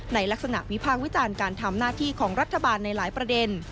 ในลักษณะวิพากษ์วิจารณ์การทำหน้าที่ของรัฐบาลในหลายประเด็น